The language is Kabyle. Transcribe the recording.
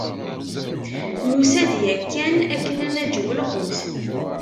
Nusa-d yakan akken ad naǧew lqut.